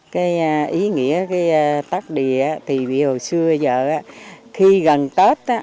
cái ý nghĩa tắt đìa thì hồi xưa giờ khi gần tết